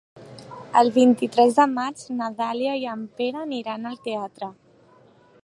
El vint-i-tres de maig na Dàlia i en Pere aniran al teatre.